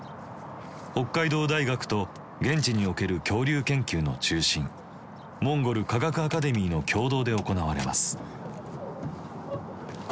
北海道大学と現地における恐竜研究の中心モンゴル科学アカデミーの共同で行われます。